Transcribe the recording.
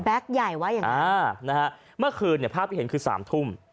ใหญ่ว่าอย่างนั้นอ่านะฮะเมื่อคืนเนี่ยภาพที่เห็นคือสามทุ่ม